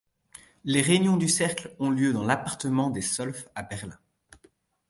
Les réunions du cercle ont lieu dans l'appartement des Solf à Berlin.